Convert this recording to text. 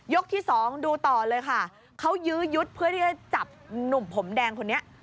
ที่สองดูต่อเลยค่ะเขายื้อยุดเพื่อที่จะจับหนุ่มผมแดงคนนี้